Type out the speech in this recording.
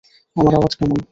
আমার আওয়াজ কেমন?